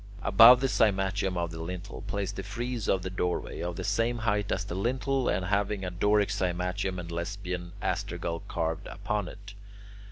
Above the cymatium of the lintel, place the frieze of the doorway, of the same height as the lintel, and having a Doric cymatium and Lesbian astragal carved upon it.